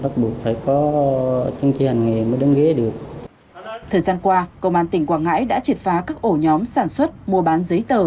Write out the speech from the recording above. thời gian qua công an tỉnh quảng ngãi đã triệt phá các ổ nhóm sản xuất mua bán giấy tờ